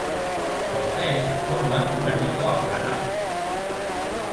Posee la forma de un anillo aplanado.